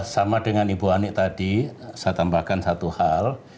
sama dengan ibu anik tadi saya tambahkan satu hal